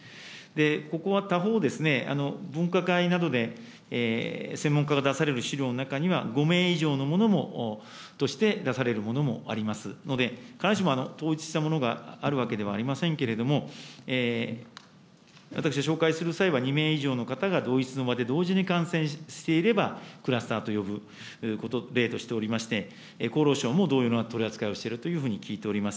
ここは他方、分科会などで専門家が出される資料の中には、５名以上のものとして出されるものもありますので、必ずしも統一したものはあるわけではありませんけれども、私が紹介する際は、２名以上の方が、同室の場で、同時に感染していれば、クラスターと呼ぶ例としておりまして、厚労省も同様の取り扱いをしているというふうに聞いております。